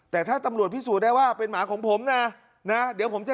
แต่ถ้าตำรวจพิสูจน์ได้ว่าเป็นหมาของผมนะนะเดี๋ยวผมจะ